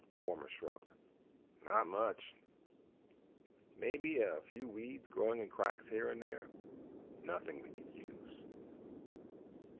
Fomar shrugged. "Not much. Maybe a few weeds growing in cracks here and there. Nothing we could use.